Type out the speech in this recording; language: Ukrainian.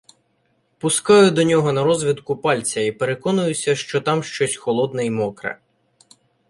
Пускаю до нього на розвідку пальця і переконуюся, що там щось холодне й мокре.